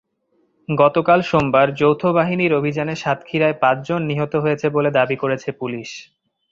গতকাল সোমবার যৌথ বাহিনীর অভিযানে সাতক্ষীরায় পাঁচজন নিহত হয়েছে বলে দাবি করেছে পুলিশ।